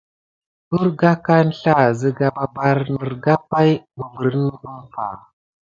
Ərga aka əŋslah siga mabartan nigra pay mberi umpay.